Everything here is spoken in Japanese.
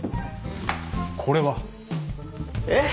これは？えっ？